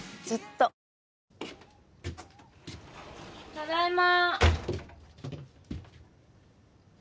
ただいま。